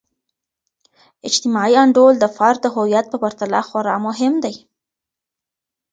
اجتماعي انډول د فرد د هویت په پرتله خورا عمومی دی.